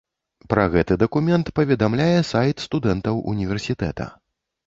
Пра гэты дакумент паведамляе сайт студэнтаў універсітэта.